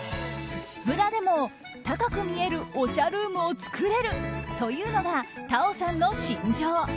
プチプラでも高く見えるおしゃルームを作れるというのがＴａｏさんの信条。